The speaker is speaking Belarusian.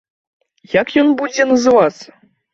Як ён будзе называцца?